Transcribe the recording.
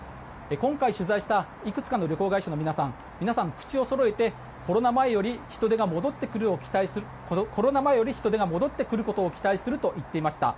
今回、取材したいくつかの旅行会社の皆さん皆さんは口をそろえてコロナ前より人出が戻ってくることを期待すると言っていました。